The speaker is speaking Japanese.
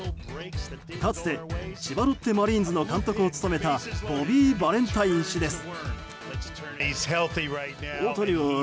かつて、千葉ロッテマリーンズの監督を務めたボビー・バレンタイン氏です。